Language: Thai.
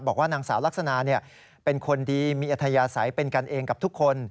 บอกว่านางสาวลักษณะเป็นคนดีมีอัธยาศัยเป็นกันเองกับทุกคน